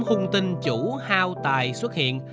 hùng tinh chủ hao tài xuất hiện